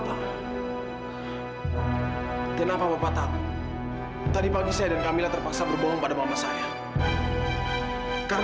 sampai jumpa di video selanjutnya